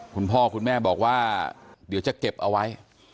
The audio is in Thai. คุณพ่อคุณแม่บอกว่าเดี๋ยวจะเก็บเอาไว้